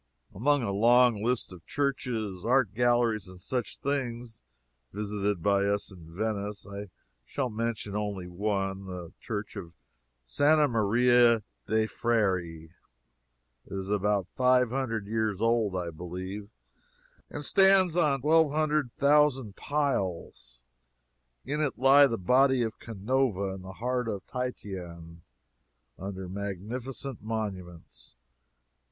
Among a long list of churches, art galleries, and such things, visited by us in Venice, I shall mention only one the church of Santa Maria dei Frari. It is about five hundred years old, I believe, and stands on twelve hundred thousand piles. In it lie the body of Canova and the heart of Titian, under magnificent monuments.